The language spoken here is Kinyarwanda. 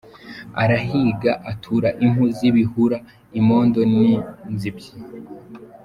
Arahiga, atura impu z’ibihura, imondo n’inzibyi.